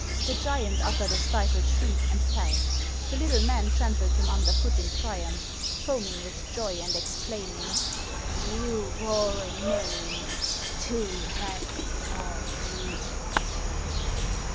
The giant uttered a stifled shriek, and fell. The little man trampled him under foot in triumph, foaming with joy, and exclaiming, "You bore a name too heavy for you!"